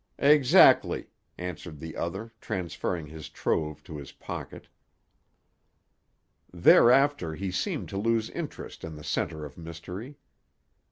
"Exactly," answered the other, transferring his trove to his pocket. Thereafter he seemed to lose interest in the center of mystery.